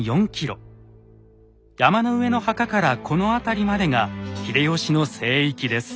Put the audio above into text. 山の上の墓からこの辺りまでが「秀吉の聖域」です。